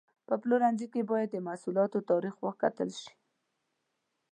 په پلورنځي کې باید د محصولاتو تاریخ وکتل شي.